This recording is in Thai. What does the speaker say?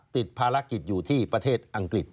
ติดภารกิจอยู่ที่ประเทศอังกฤษ